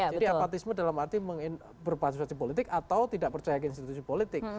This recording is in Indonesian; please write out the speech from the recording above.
jadi apatisme dalam arti berpatisasi politik atau tidak percaya ke institusi politik